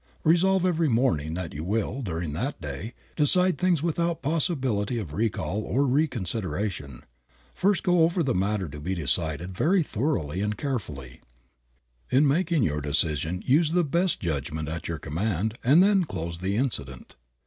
Resolve every morning that you will, during that day, decide things without possibility of recall or reconsideration. First go over the matter to be decided very thoroughly and carefully. In making your decision use the best judgment at your command and then close the incident.